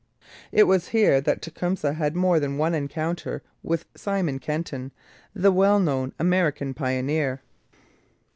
It was here that Tecumseh had more than one encounter with Simon Kenton, the well known American pioneer.